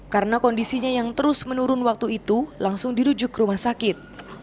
karena kondisinya yang terus menurun waktu itu langsung dirujuk ke rumah sakit